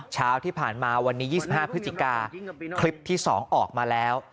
เช้าที่ผ่านมาวันนี้๒๕พฤศจิกาคลิปที่๒ออกมาแล้ว